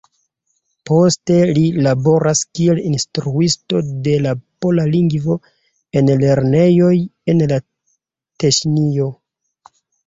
Poste li laboras kiel instruisto de la pola lingvo en lernejoj en la Teŝinio.